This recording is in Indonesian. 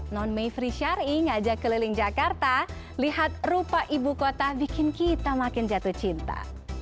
non mayfrey syari ngajak keliling jakarta lihat rupa ibu kota bikin kita makin jatuh cinta